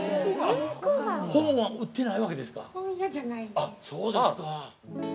◆あ、そうですかぁ。